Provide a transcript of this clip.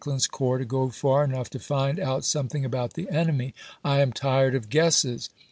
lin's corps to go far enough to find out something ^^^m^" about the enemy. .. I am tired of guesses."